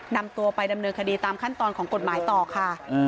นำตัวไปดำเนินคดีตามขั้นตอนของกฎหมายต่อค่ะ